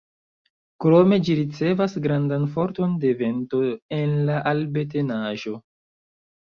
Krome ĝi ricevas grandan forton de vento el la Altebenaĵo.